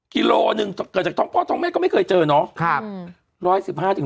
กิโลหนึ่งเกิดจากท้องพ่อท้องแม่ก็ไม่เคยเจอเนาะ